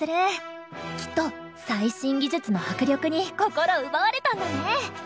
きっと最新技術の迫力に心奪われたんだね！